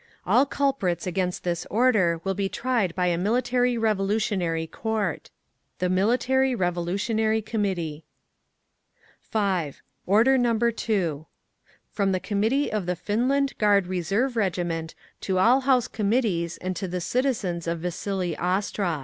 All culprits against this order will be tried by a Military Revolutionary Court. THE MILITARY REVOLUTIONARY COMMITTEE. 5. ORDER NO. 2 _From the Committee of the Finland Guard Reserve Regiment to all House Committees and to the citizens of Vasili Ostrov.